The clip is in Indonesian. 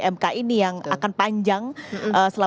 jadi apa nih nanti yang publik harus ketahui dalam proses dmk ini